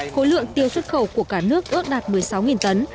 khối lượng tiêu xuất khẩu của cả nước ước đạt một mươi sáu tấn